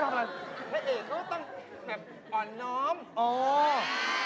แม่เอกก็ต้องแบบอ่อนน้อง